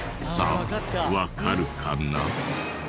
さあわかるかな？